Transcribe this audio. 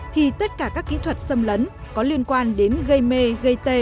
thì tất cả các kỹ thuật xâm lấn có liên quan đến gây mê gây tê